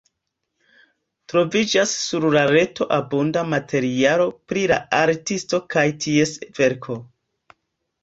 Troviĝas sur la reto abunda materialo pri la artisto kaj ties verko.